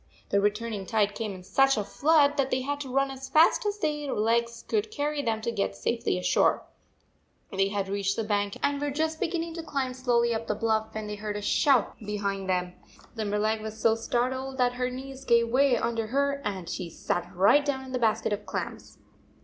The returning tide came in such a flood that they had to run as fast as their legs could carry them to get safely ashore. They had 152 reached the bank and were just beginning to climb slowly up the bluff, when they heard a shout behind them. Limberleg was so startled that her knees gave way under her and she sat right down in the basket of clams